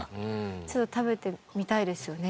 ちょっと食べてみたいですよね。